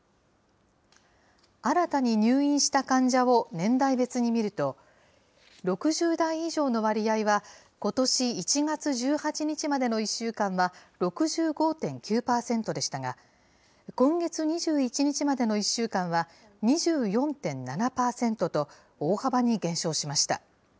新たに入院した患者を年代別に見ると、６０代以上の割合は、ことし１月１８日までの１週間は６５．９％でしたが、今月２１日までの１週間は、２４．７％と、大幅に減少しました。